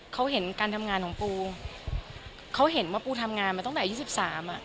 เขาเห็นการทำงานของปูเขาเห็นว่าปูทำงานมาตั้งแต่อายุสิบสามอ่ะ